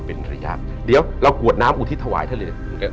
เป็นระยะเดี๋ยวเรากวดน้ำอุทิศถวายท่านเลย